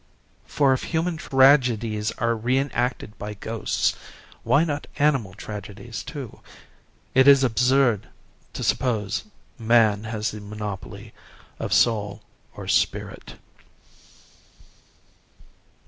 For if human tragedies are re enacted by ghosts, why not animal tragedies too? It is absurd to suppose man has the monopoly of soul or spirit."